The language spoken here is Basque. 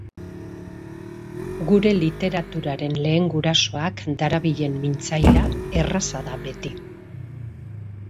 Gure literaturaren lehen gurasoak darabilen mintzaira erraza da beti.